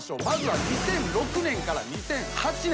まずは２００６年から２００８年。